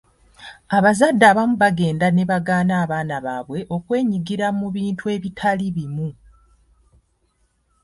Abazadde abamu bagenda ne bagaana abaana baabwe okwenyigira mu bintu ebitali bimu.